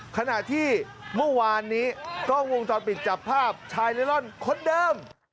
ขณะที่เมื่อวานนี้กล้องวงจรปิดจับภาพชายเล่ร่อนคนเดิม